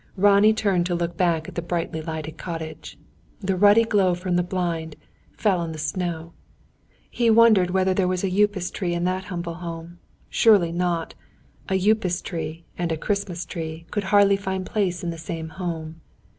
Ronnie turned to look back at the brightly lighted cottage. The ruddy glow from the blind, fell on the snow. He wondered whether there was a Upas tree in that humble home. Surely not! A Upas tree and a Christmas tree could hardly find place in the same home.